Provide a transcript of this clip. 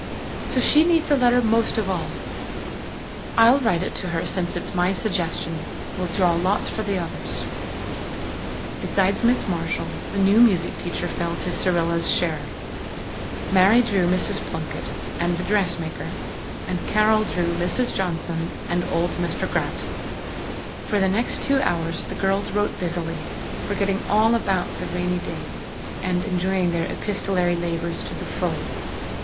So she needs a letter most of all. I'll write to her, since it's my suggestion. We'll draw lots for the others." Besides Miss Marshall, the new music teacher fell to Cyrilla's share. Mary drew Mrs. Plunkett and the dressmaker, and Carol drew Mrs. Johnson and old Mr. Grant. For the next two hours the girls wrote busily, forgetting all about the rainy day, and enjoying their epistolary labours to the full.